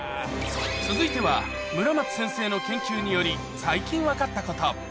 続いては村松先生の研究により、最近分かったこと。